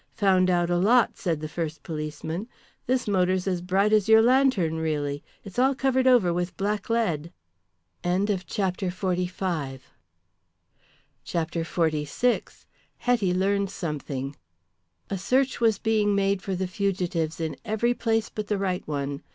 "Found out a lot," said the first policeman. "This motor's as bright as your lantern really, It's all covered over with blacklead." CHAPTER XLVI. HETTY LEARNS SOMETHING. A search was being made for the fugitives in every place but the right one.